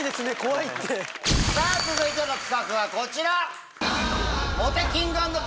続いての企画はこちら！